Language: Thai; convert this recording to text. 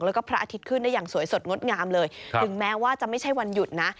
แล้วก็พระอาทิตย์ขึ้นได้อย่างสวยสดงดงามเลยถึงแม้ว่าจะไม่ใช่วันหยุดนะ